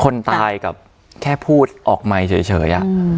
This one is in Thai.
คนตายกับแค่พูดออกไมค์เฉย